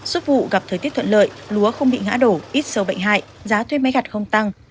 xuất vụ gặp thời tiết thuận lợi lúa không bị ngã đổ ít sâu bệnh hại giá thuê máy gặt không tăng